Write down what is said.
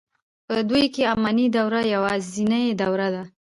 په دوی کې اماني دوره یوازنۍ دوره وه.